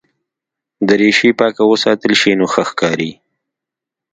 دریشي پاکه وساتل شي نو ښه ښکاري.